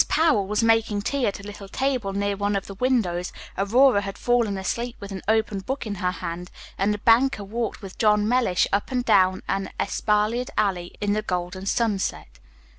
Powell was making tea at a little table near one of the windows, Aurora had fallen asleep with an open book in her hand, and the banker walked with John Mellish up and down an espaliered alley in the golden sunset.